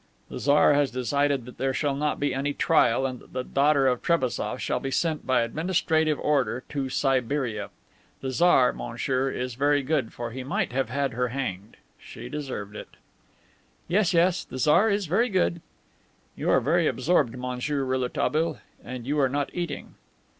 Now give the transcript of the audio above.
"The Tsar has decided that there shall not be any trial and that the daughter of General Trebassof shall be sent, by administrative order, to Siberia. The Tsar, monsieur, is very good, for he might have had her hanged. She deserved it." "Yes, yes, the Tsar is very good." "You are very absorbed, Monsieur Rouletabille, and you are not eating."